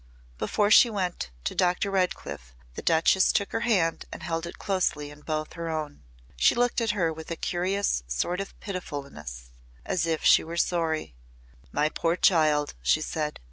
Before she went to Dr. Redcliff the Duchess took her hand and held it closely in both her own. She looked at her with a curious sort of pitifulness as if she were sorry. "My poor child," she said.